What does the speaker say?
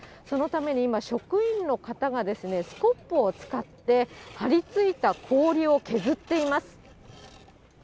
そのために今、職員の方が、スコップを使って、張りついた氷を削っています。